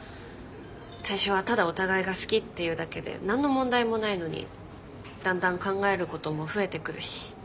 最初はただお互いが好きっていうだけで何の問題もないのにだんだん考えることも増えてくるし。